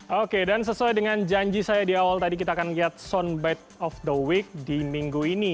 oke dan sesuai dengan janji saya di awal tadi kita akan lihat soundbite of the week di minggu ini